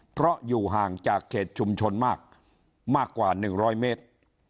เพราะอยู่ห่างจากเขตชุมชนมากมากกว่า๑๐๐เมตร